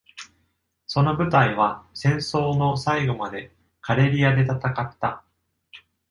その部隊は、戦争の最後までカレリアで戦った。